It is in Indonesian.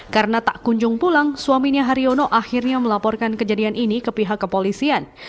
karena tak kunjung pulang suaminya hariono akhirnya melaporkan kejadian ini ke pihak kepolisian